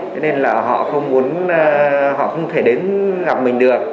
cho nên là họ không muốn họ không thể đến gặp mình được